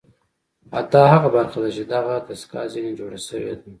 دا هغه برخه ده چې دغه دستګاه ځنې جوړه شوې ده